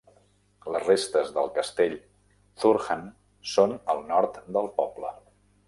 Les restes del castell Thurnham són al nord del poble.